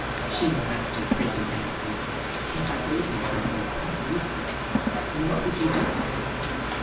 She laughed in pretty embarrassment. "If I gave you something quite useless, what would you do with it?"